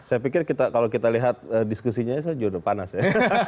saya pikir kalau kita lihat diskusinya saya jodoh panas ya